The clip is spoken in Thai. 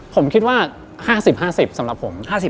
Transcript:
ผมคิดว่า๕๐๕๐สำหรับผม๕๐